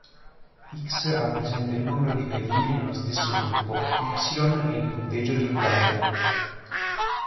X rappresenta il numero di pedine nello stesso gruppo, Y è il punteggio risultante.